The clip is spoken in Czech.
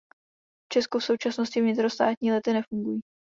V Česku v současnosti vnitrostátní lety nefungují.